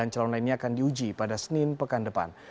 sembilan calon lainnya akan diuji pada senin pekan depan